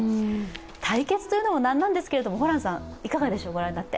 対決というのも何なんですけど、ホランさん、ご覧になっていかがでしょう？